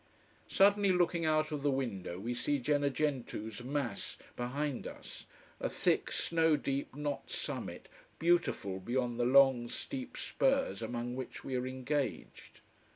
Suddenly looking out of the window, we see Gennargentu's mass behind us, a thick snow deep knot summit, beautiful beyond the long, steep spurs among which we are engaged.